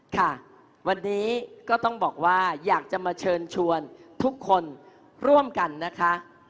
ค่ะวันนี้ก็ต้องบอกว่าอยากจะมาเชิญชวนทุกคนร่วมกันนะคะ